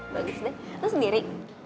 bagus deh lo sendiri